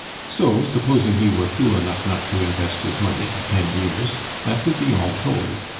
So, supposing he were fool enough not to invest his money for ten years, that would be all told.